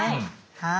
はい。